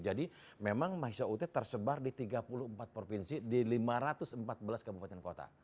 jadi memang mahasiswa ut tersebar di tiga puluh empat provinsi di lima ratus empat belas kebukatan kota